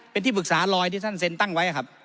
เป็นที่ปรึกษาลอยที่ท่านเซ็นตั้งไว้ครับ